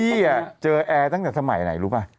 เจอแอร์ตั้งแต่สมัยไหนรู้ป่ะ